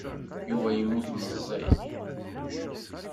Yuba yemmut meẓẓi.